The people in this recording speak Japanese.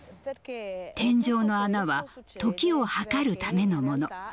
天井の穴は時を計るためのもの